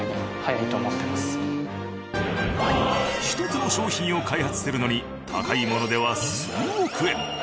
１つの商品を開発するのに高いものでは数億円。